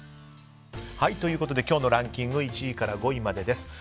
今日のランキング１位から５位までです。